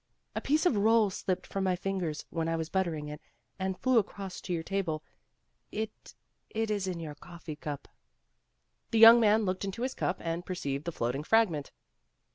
"A piece of roll slipped from my fingers when I was buttering it, and flew across to your table. It it is in your coffee cup." QUITE INFORMAL 165 The young man looked into his cup and per ceived the floating fragment.